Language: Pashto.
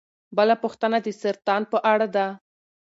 بله پوښتنه د سرطان په اړه ده.